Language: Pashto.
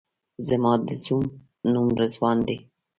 زما د زوی نوم رضوان دی